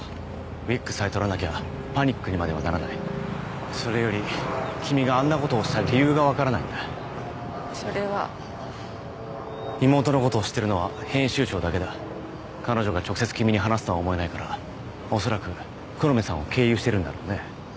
ウィッグさえ取らなきゃパニックにまではならないそれより君があんなことをした理由がわからないんだそれは妹のことを知ってるのは編集長だけだ彼女が直接君に話すとは思えないから恐らく黒目さんを経由してるんだろうね